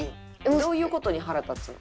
どういう事に腹立つの？